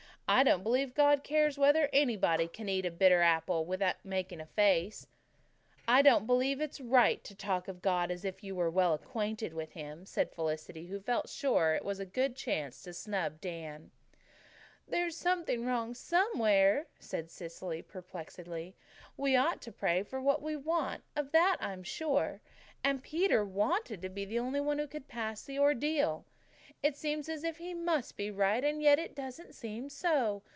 "I don't believe God cares whether anybody can eat an apple without making a face or not." "I don't believe it's right to talk of God as if you were well acquainted with Him," said Felicity, who felt that it was a good chance to snub Dan. "There's something wrong somewhere," said Cecily perplexedly. "We ought to pray for what we want, of that I'm sure and Peter wanted to be the only one who could pass the Ordeal. It seems as if he must be right and yet it doesn't seem so.